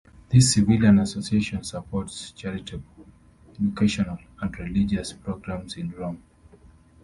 This civilian association supports charitable, educational, and religious programs in Rome.